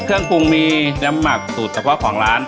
เครื่องปรุงมีน้ำหมักสูตรเฉพาะของร้าน